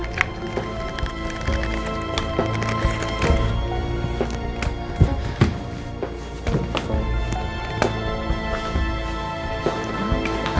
maafin itu juga ya